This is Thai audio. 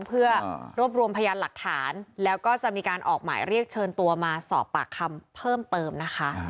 เพื่อรวบรวมพยานหลักฐานแล้วก็จะมีการออกหมายเรียกเชิญตัวมาสอบปากคำเพิ่มเติมนะคะ